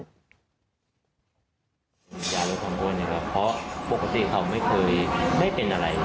กินยาลดของอ้วนเพราะปกติเขาไม่เคยมีอะไร